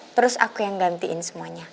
terus aku yang gantiin semuanya